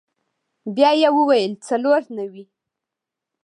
بيا يې وويل څلور نوي.